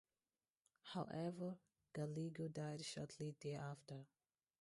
However, Gallego died shortly thereafter.